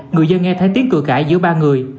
người dân nghe thấy tiếng cười cãi giữa ba người